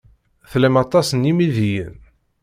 Tlam aṭas n yimidiwen.